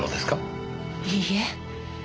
いいえ。